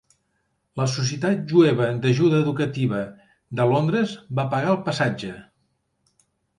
La Societat Jueva d'Ajuda Educativa de Londres va pagar el passatge.